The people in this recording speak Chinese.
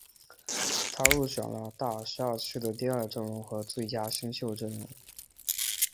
他入选了大十二区的第二阵容和最佳新秀阵容。